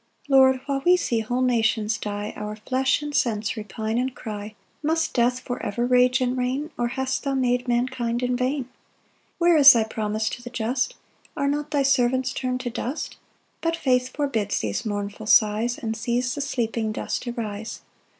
2 Lord, while we see whole nations die, Our flesh and sense repine and cry, "Must death for ever rage and reign? "Or hast thou made mankind in vain? 3 "Where is thy promise to the just? "Are not thy servants turn'd to dust?" But faith forbids these mournful sighs, And sees the sleeping dust arise.